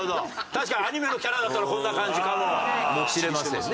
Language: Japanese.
確かにアニメのキャラだったらこんな感じかもしれませんね。